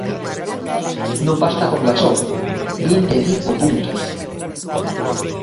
Non basta con Gasol, vinte e cinco puntos.